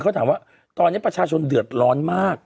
เขาถามว่าตอนนี้ประชาชนเดือดร้อนมาก